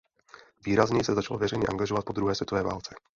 Výrazněji se začal veřejně angažovat po druhé světové válce.